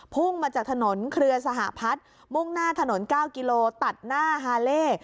พุ่งมาจากถนนเครือสหพัฒน์มุ่งหน้าถนน๙กิโลตัดหน้าฮาเล่